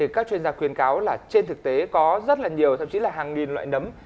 các chuyên gia khuyên cáo là trên thực tế có rất là nhiều thậm chí là hàng nghìn loại nấm